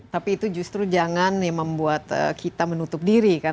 tapi itu justru jangan membuat kita menutup diri kan